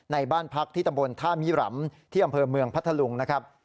บ้านพักที่ตำบลท่ามิรำที่อำเภอเมืองพัทธลุงนะครับ